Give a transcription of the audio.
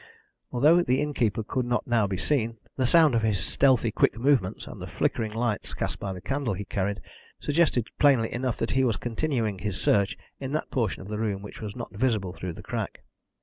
Although the innkeeper could not now be seen, the sound of his stealthy quick movements, and the flickering lights cast by the candle he carried, suggested plainly enough that he was continuing his search in that portion of the room which was not visible through the crack.